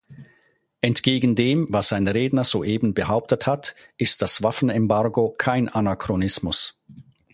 Entgegen dem, was ein Redner soeben behauptet hat, ist das Waffenembargo kein Anachronismus.